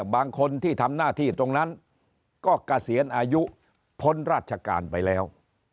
บางคนที่ทำหน้าที่ตรงนั้นก็เกษียณอายุพ้นราชการไปแล้ว